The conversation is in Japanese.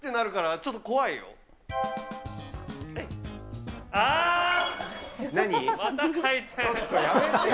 ちょっとやめてよ。